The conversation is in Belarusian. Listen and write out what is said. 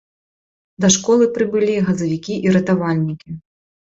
Да школы прыбылі газавікі і ратавальнікі.